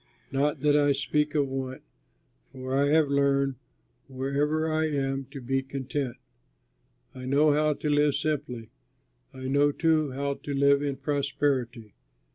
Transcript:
Not that I speak of want, for I have learned, wherever I am, to be content. I know how to live simply; I know, too, how to live in prosperity.